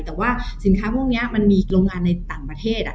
แต่ว่าสินค้าพวกนี้มันมีโรงงานในต่างประเทศ